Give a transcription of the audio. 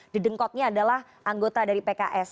didengkotnya adalah anggota dari pks